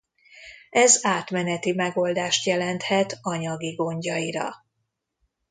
Ez átmeneti megoldást jelenthet anyagi gondjaira.